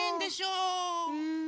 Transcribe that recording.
うん。